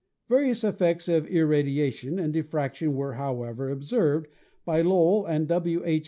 Various effects of irradiation and diffraction were, however, observed by Lowell and W. H.